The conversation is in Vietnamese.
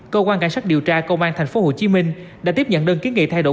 cơ quan cảnh sát điều tra công an tp hcm đã tiếp nhận đơn kiến nghị thay đổi